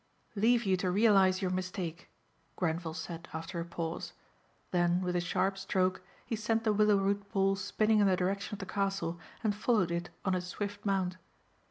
"Leave you to realize your mistake," Grenvil said after a pause. Then with a sharp stroke he sent the willow root ball spinning in the direction of the castle, and followed it on his swift mount.